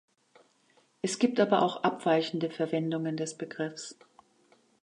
Es gibt aber auch abweichende Verwendungen des Begriffs.